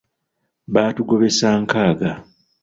Batugobesa nkaaga.